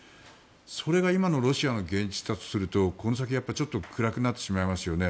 それが今のロシアの現実だとするとこの先はちょっと暗くなってしまいますよね。